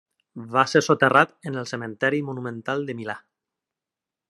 Va ser soterrat en el cementeri monumental de Milà.